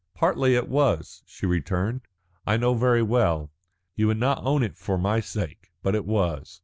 "Partly it was," she returned, "I know very well. You would not own it for my sake, but it was.